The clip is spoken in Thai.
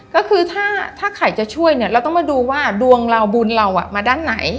ก็คือถ้าใครจะช่วยเนี่ยเราต้องมาดูว่าดวงเราบุญเรามาด้านไหน